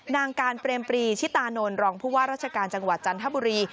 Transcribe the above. นางการเปรมปรีชิตานนท์รองผู้ว่าราชการจังหวัดจันทบุรี